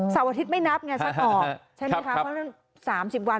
เสาร์อาทิตย์ไม่นับไงสักออกเพราะฉะนั้น๓๐วัน